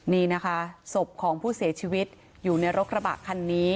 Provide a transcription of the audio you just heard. นี่นะคะศพของผู้เสียชีวิตอยู่ในรถกระบะคันนี้